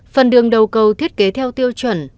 phần đường đầu cầu thiết kế theo tiêu chuẩn